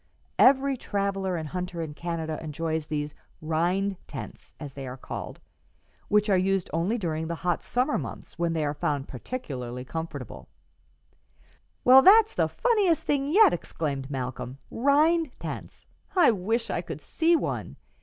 Every traveler and hunter in Canada enjoys these "rind tents," as they are called, which are used only during the hot summer months, when they are found particularly comfortable.'" [Illustration: IN THE BIRCH BARK CANOE] "Well, that's the funniest thing yet!" exclaimed Malcolm. "'Rind tents'! I wish I could see one.